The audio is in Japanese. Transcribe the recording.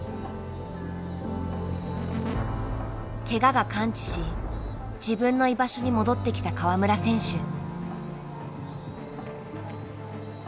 ケガが完治し自分の居場所に戻ってきた川村選手。